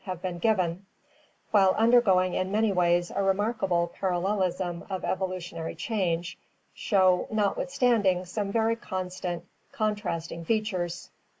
oppis, bird) have been given, while undergoing in many ways a remarkable parallelism of evolutionary change, show notwithstanding some very constant contrasting features.